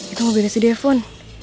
itu mobilnya si defon